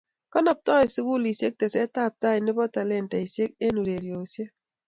Konobtoi sukulisiek tesetab tai nebo talentaisiek eng ureriosiek